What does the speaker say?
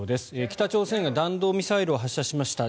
北朝鮮が弾道ミサイルを発射しました。